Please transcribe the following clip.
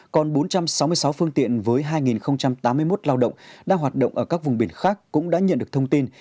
đối với hai tám mươi một lao động đang hoạt động ở các vùng biển khác cũng đã nhận được thông tin